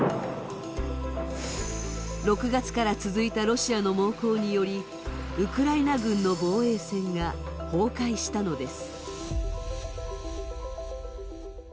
６月から続いたロシアの猛攻によりウクライナ軍の防衛戦が崩壊したのです。